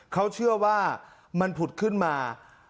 เขาเชื่อว่ามันผุดขึ้นมา